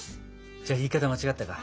じゃあ言い方間違ったか。